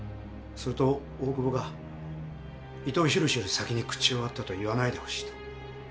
それと大久保が「伊藤宏より先に口を割ったと言わないでほしい」と。